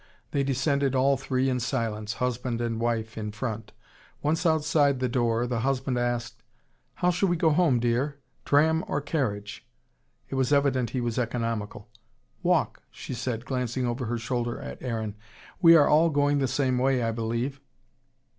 They descended all three in silence, husband and wife in front. Once outside the door, the husband asked: "How shall we go home, dear? Tram or carriage ?" It was evident he was economical. "Walk," she said, glancing over her shoulder at Aaron. "We are all going the same way, I believe."